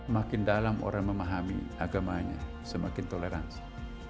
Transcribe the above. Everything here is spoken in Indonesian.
makin dalam orang memahami agamanya semakin toleransi